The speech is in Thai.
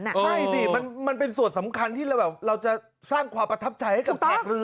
ใช่สิมันเป็นส่วนสำคัญที่เราแบบเราจะสร้างความประทับใจให้กับแขกเรือ